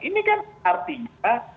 ini kan artinya